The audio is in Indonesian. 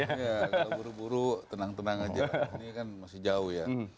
iya kalau buru buru tenang tenang aja ini kan masih jauh ya